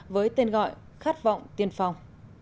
với tên gọi khát vọng tiên phòng